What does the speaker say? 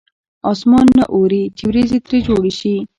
اسمان نه اوري چې ورېځې ترې جوړې شي.